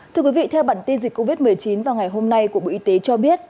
thưa quý vị theo bản tin dịch covid một mươi chín vào ngày hôm nay của bộ y tế cho biết